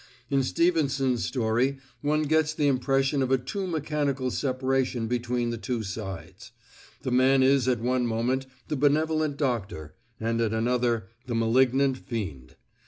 In Stevenson's story one gets the impression of a too mechanical separation between the two sides. The man is at one moment the benevolent doctor, and at another the malignant fiend.